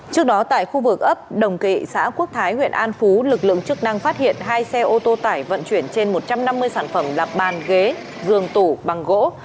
trước đó tại khu vực ấp đồng kỵ xã quốc thái huyện an phú lực lượng chức năng phát hiện hai xe ô tô tải vận chuyển trên một trăm năm mươi sản phẩm là bàn ghế giường tủ bằng gỗ